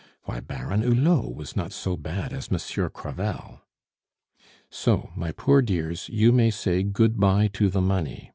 Why, Baron Hulot was not so bad as Monsieur Crevel. "So, my poor dears, you may say good bye to the money.